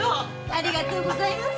ありがとうございます。